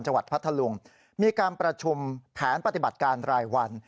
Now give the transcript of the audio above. จังหวัดพัทธรรมมีการประชุมแผนปฏิบัติการรายวัน